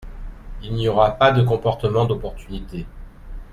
Il n’y aura pas de comportement d’opportunité.